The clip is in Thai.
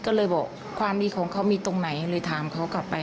ก็เลยบอกความดีของเขามีตรงไหนเลยถามเขากลับไป